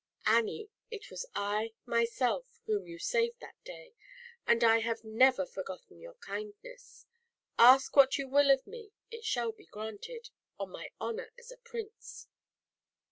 J " Annie, it was I, myself, whom you saved that day, and I have never for gotten your kindness. Ask what you will of me, it shall be granted, on my honor as a Prince."